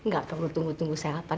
gak perlu tunggu tunggu lagi